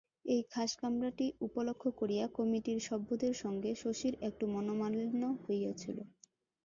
এই খাসকামরাটি উপলক্ষ করিয়া কমিটির সভ্যদের সঙ্গে শশীর একটু মনোমালিন্য হইয়াছিল।